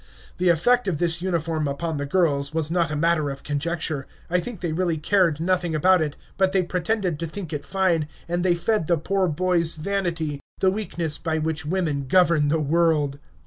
The effect of this uniform upon the girls was not a matter of conjecture. I think they really cared nothing about it, but they pretended to think it fine, and they fed the poor boy's vanity, the weakness by which women govern the world.